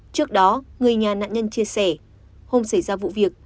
trước đó người nhà nạn nhân chia sẻ hôm xảy ra vụ việc